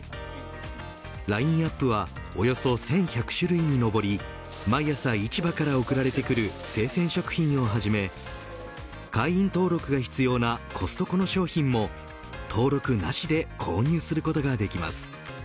ラインアップはおよそ１１００種類にのぼり毎朝、市場から送られてくる生鮮食品をはじめ会員登録が必要なコストコの商品も登録なしで購入することができます。